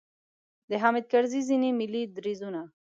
د حامد کرزي ځینې ملي دریځونو.